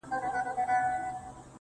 د زړه غوټه چي لارې ته ولاړه ده حيرانه,